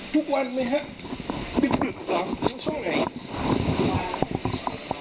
ทุกวันไหมฮะดึกหรอตั้งช่วงไหน